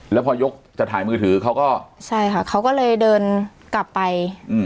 แล้วพอยกจะถ่ายมือถือเขาก็ใช่ค่ะเขาก็เลยเดินกลับไปอืม